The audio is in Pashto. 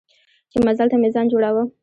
چې مزل ته مې ځان جوړاوه.